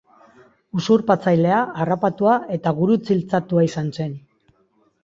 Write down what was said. Usurpatzailea, harrapatua eta gurutziltzatua izan zen.